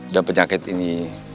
dan penyakit ini